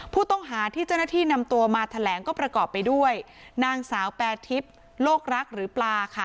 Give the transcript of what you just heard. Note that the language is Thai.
ผู้ต้องหาที่เจ้าหน้าที่นำตัวมาแถลงก็ประกอบไปด้วยนางสาวแปรทิพย์โลกรักหรือปลาค่ะ